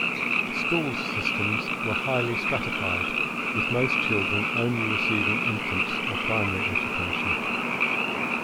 Schools systems were highly stratified, with most children only receiving infants or primary education.